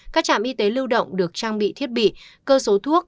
các trạm y tế lưu động được trang bị thiết bị cơ số thuốc